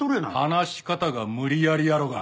話し方が無理やりやろが。